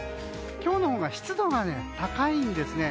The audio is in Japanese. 今日のほうが湿度が高いんですね。